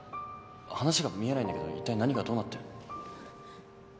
話が見えないんだけどいったい何がどうなってるの？